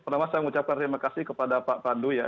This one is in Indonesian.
pertama saya mengucapkan terima kasih kepada pak pandu ya